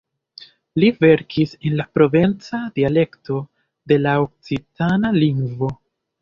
Li verkis en la provenca dialekto de la okcitana lingvo.